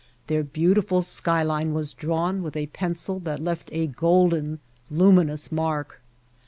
Their beautiful skyline was drawn with a pencil that left a golden, luminous mark.